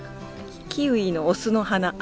キウイのオスの花。